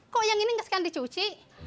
kok yang ini gak sekandar dicuci